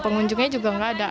pengunjungnya juga nggak ada